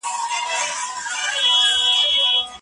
که زه پيسې ولرم کتابونه به واخلم.